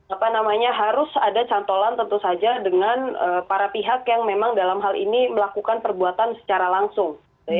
apa namanya harus ada cantolan tentu saja dengan para pihak yang memang dalam hal ini melakukan perbuatan secara langsung